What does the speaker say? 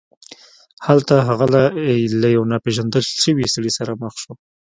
هلته هغه له یو ناپيژندل شوي سړي سره مخ شو.